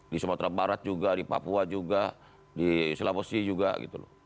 di sumatera barat juga di papua juga di sulawesi juga gitu loh